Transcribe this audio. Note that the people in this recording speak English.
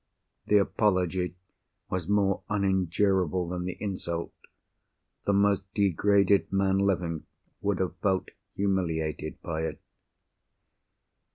The apology was more unendurable than the insult. The most degraded man living would have felt humiliated by it.